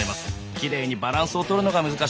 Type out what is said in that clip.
きれいにバランスを取るのが難しいんです。